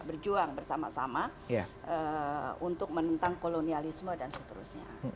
berjuang bersama sama untuk menentang kolonialisme dan seterusnya